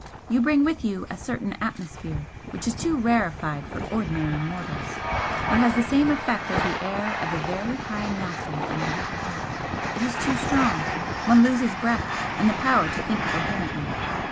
"You bring with you a certain atmosphere which is too rarefied for ordinary mortals it has the same effect as the air of a very high mountain on a weak heart it is too strong one loses breath, and the power to think coherently.